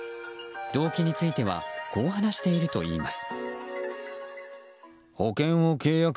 動機についてはこう話しているといいます。